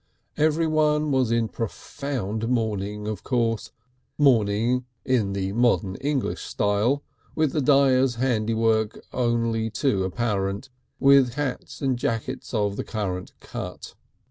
Everybody was in profound mourning, of course, mourning in the modern English style, with the dyer's handiwork only too apparent, and hats and jackets of the current cut.